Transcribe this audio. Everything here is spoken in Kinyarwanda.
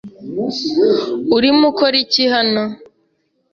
Urimo ukora iki hano?